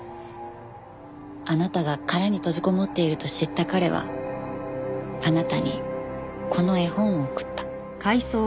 あなたが殻に閉じこもっていると知った彼はあなたにこの絵本を送った。